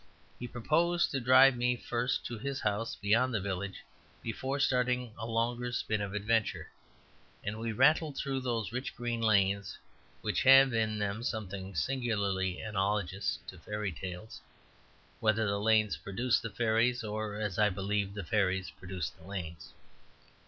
He proposed to drive me first to his house beyond the village before starting for a longer spin of adventure, and we rattled through those rich green lanes which have in them something singularly analogous to fairy tales: whether the lanes produced the fairies or (as I believe) the fairies produced the lanes.